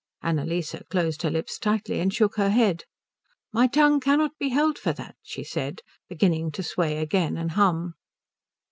Annalise closed her lips tightly and shook her head. "My tongue cannot be held for that," she said, beginning to sway again and hum.